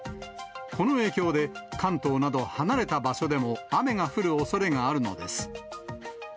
この影響で、関東など離れた場所でも雨が降るおそれがあるのです。